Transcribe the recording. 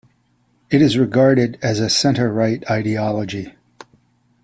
It is regarded as a centre-right ideology.